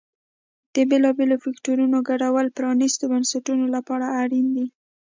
د بېلابېلو فکټورونو ګډوله پرانیستو بنسټونو لپاره اړین دي.